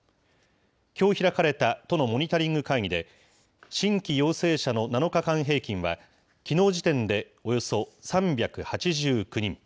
きょう開かれた都のモニタリング会議で、新規陽性者の７日間平均は、きのう時点で、およそ３８９人。